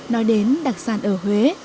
nói đến đặc sản ở huế